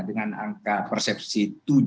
dengan angka persepsi tujuh puluh tiga